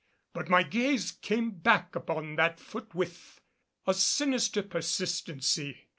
But my gaze came back upon that foot with a sinister persistency.